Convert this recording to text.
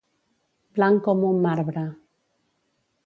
Blanc com un marbre.